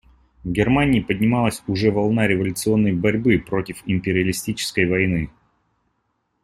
В Германии поднималась уже волна революционной борьбы против империалистической войны.